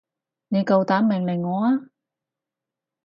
你夠膽命令我啊？